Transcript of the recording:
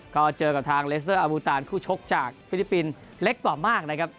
ก็เจอกับทางเลสเตอร์อาบูตานคู่ชกจากฟิลิปปินส์เล็กกว่ามากนะครับ